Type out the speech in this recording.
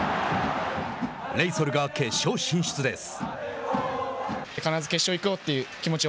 レイソルが決勝進出です。